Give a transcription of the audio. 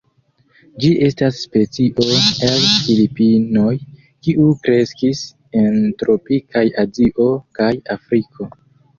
Ĝi estas specio el Filipinoj, kiu kreskis en tropikaj Azio kaj Afriko.